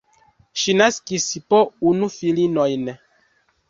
Ŝi naskis po unu filinojn.